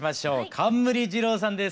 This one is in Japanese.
冠二郎さんです。